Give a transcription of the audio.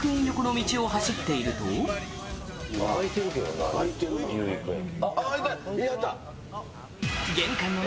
開いてるけどな。